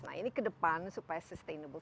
nah ini ke depan supaya sustainable